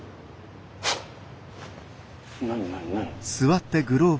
何何何？